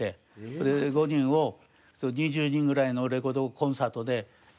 それで５人を２０人ぐらいのレコードコンサートで紛れ込ませて。